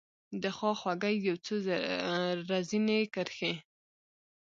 دخوا خوګۍ یو څو رزیني کرښې